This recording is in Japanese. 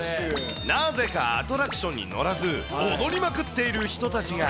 なぜかアトラクションに乗らず、踊りまくっている人たちが。